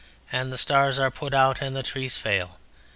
And the stars are put out and the trees fail.